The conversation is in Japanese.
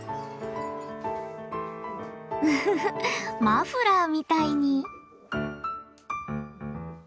フフフマフラーみたいに。